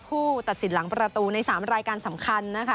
ผู้ตัดสินหลังประตูใน๓รายการสำคัญนะคะ